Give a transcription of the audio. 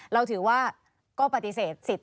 เราถือว่าก็ปฏิเสธสิทธิ